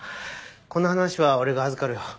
この話は俺が預かるよ。